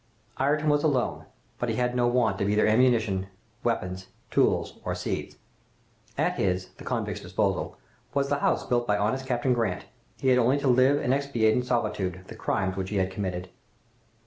"Ayrton was alone, but he had no want of either ammunition, weapons, tools, or seeds. "At his, the convict's disposal, was the house built by honest Captain Grant. He had only to live and expiate in solitude the crimes which he had committed.